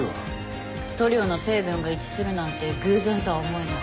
塗料の成分が一致するなんて偶然とは思えない。